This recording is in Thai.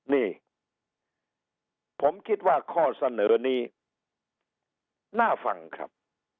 นี่ผมคิดว่าข้อเสนอนี้น่าฟังครับ